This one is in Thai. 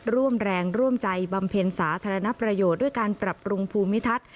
ร่วมแรงร่วมใจบำเพ็ญสาธารณประโยชน์ด้วยการปรับปรุงภูมิทัศน์